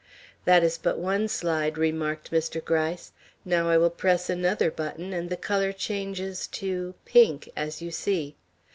"That is but one slide," remarked Mr. Gryce. "Now I will press another button, and the color changes to pink, as you see.